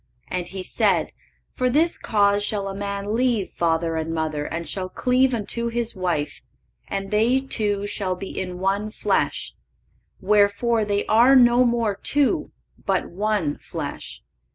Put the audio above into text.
And He said, for this cause shall a man leave father and mother, and shall cleave unto his wife, and they two shall be in one flesh. Wherefore they are no more two, but one flesh."